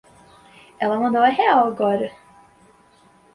Ela mandou a real, agora.